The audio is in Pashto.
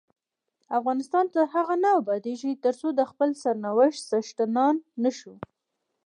افغانستان تر هغو نه ابادیږي، ترڅو د خپل سرنوشت څښتنان نشو.